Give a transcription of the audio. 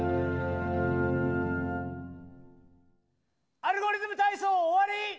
「アルゴリズムたいそう」おわり！